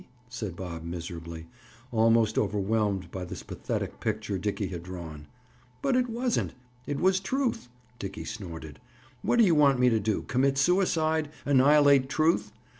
said Bob miserably, almost overwhelmed by this pathetic picture Dickie had drawn. "But it wasn't! It was Truth." Dickie snorted. "What do you want me to do? Commit suicide? Annihilate truth?